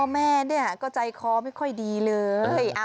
พ่อแม่เนี้ยก็ใจคอไม่ค่อยดีเลยเออ